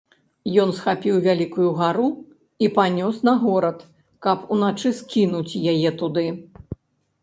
Ён схапіў вялікую гару і панёс на горад, каб уначы скінуць яе туды.